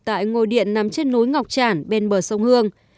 tại ngôi điện nằm trên núi ngọc trản bên bờ sông hương